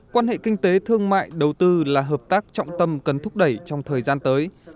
quan hệ kinh tế thương mại đầu tư là hợp tác trọng tâm cần thúc đẩy trong thời gian tới